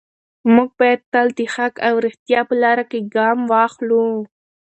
موږ باید تل د حق او ریښتیا په لاره کې ګام واخلو.